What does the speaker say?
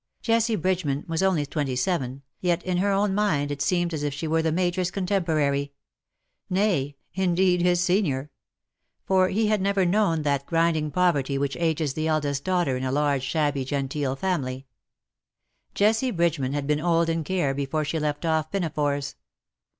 Jessie Bridgeman was only twenty seven, yet in her own mind it seemed as if she were the Major's contemporary — nay, indeed, his senior; for he had never known that grinding poverty which ages the IN SOCIETY. 161 eldest daughter in a large shabby genteel family. Jessie Bridgeman had been old in care before she left off pinafores.